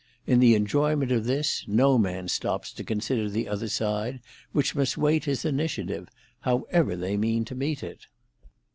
In the enjoyment of this, no man stops to consider the other side, which must wait his initiative, however they mean to meet it.